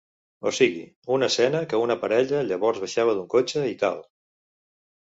O sigui, una escena que una parella llavors baixava d'un cotxe i tal.